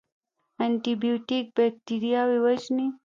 انټي بیوټیک بکتریاوې وژني